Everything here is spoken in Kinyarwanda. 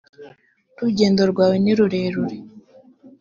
urugendo rwawe nirurerure.